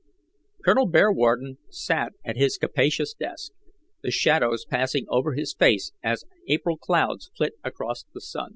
Col. Bearwarden sat at his capacious desk, the shadows passing over his face as April clouds flit across the sun.